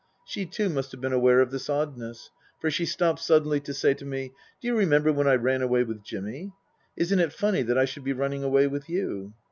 She too must have been aware of this oddness for she stopped suddenly to say to me, " Do you remember when I ran away with Jimmy ? Isn't it funny that I should be running away with you